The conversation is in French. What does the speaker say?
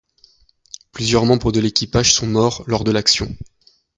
Plusieurs membres de l'équipage sont morts lors de l'action.